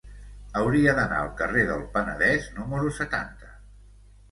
Hauria d'anar al carrer del Penedès número setanta.